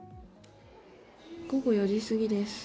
午後４時過ぎです。